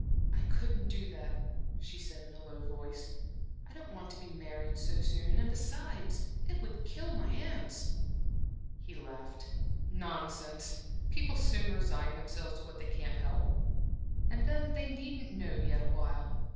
"I couldn't do that," she said in a low voice. "I don't want to be married so soon; and besides it would kill my aunts." He laughed. "Nonsense! People soon resign themselves to what they can't help. And then they needn't know yet awhile.